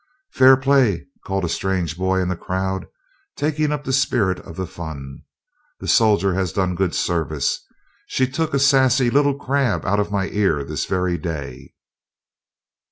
"Fair play!" called a strange boy in the crowd, taking up the spirit of fun. "That soldier has done good service. She took a sassy little crab out of my ear this very day!"